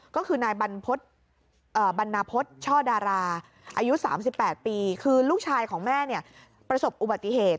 ก็คือนายบรรณพฤษช่อดาราอายุ๓๘ปีคือลูกชายของแม่ประสบอุบัติเหตุ